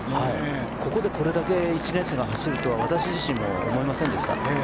ここでこれだけ１年生が走れるとは私自身も思いませんでした。